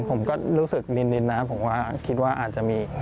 ผมก็รู้สึกนินนะผมว่าคิดว่าอาจจะมี